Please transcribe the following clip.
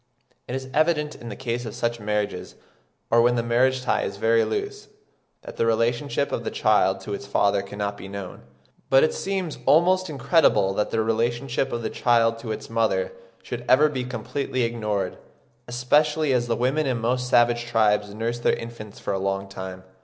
It is evident in the case of such marriages, or where the marriage tie is very loose, that the relationship of the child to its father cannot be known. But it seems almost incredible that the relationship of the child to its mother should ever be completely ignored, especially as the women in most savage tribes nurse their infants for a long time.